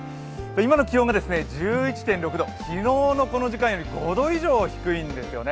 今の気温が１１．６５度、今の気温は１６．１度、昨日のこの時間より５度以上低いんですよね。